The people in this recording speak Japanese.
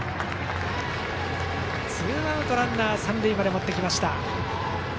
ツーアウトランナー、三塁まで持ってきました。